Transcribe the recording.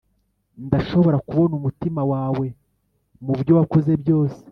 ndashobora kubona umutima wawe mubyo wakoze byose